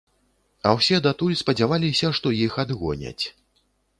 А ўсе датуль спадзяваліся, што іх адгоняць.